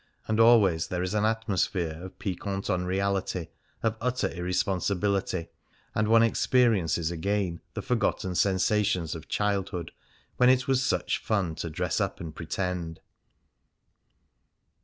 And always there is an atmosphere of piquant unreality, of utter irresponsibility, and one experiences again the forgotten sensations of childhood, when it was " such fun to dress up and pretend."